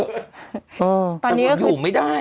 แต่มันอยู่ไม่ได้